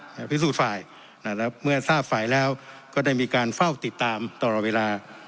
พิสูจน์ฝ่ายนะครับเมื่อทราบฝ่ายแล้วก็ได้มีการเฝ้าติดตามตลอดเวลา